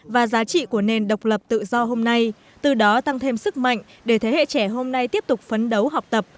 và giá trị của nền độc lập tự do hôm nay từ đó tăng thêm sức mạnh để thế hệ trẻ hôm nay tiếp tục phấn đấu học tập